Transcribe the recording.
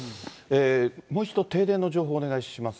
もう一度、停電の情報をお願いします。